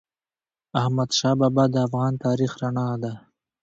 احمدشاه بابا د افغان تاریخ رڼا ده.